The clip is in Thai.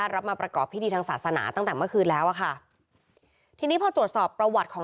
รับมาประกอบพิธีทางศาสนาตั้งแต่เมื่อคืนแล้วอะค่ะทีนี้พอตรวจสอบประวัติของ